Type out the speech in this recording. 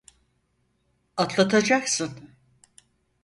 Atlatacaksın.